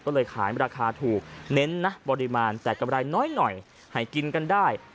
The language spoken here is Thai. ก็เลยขายราคาถูกเน้นนะปริมาณแต่กำไรน้อยหน่อยให้กินกันได้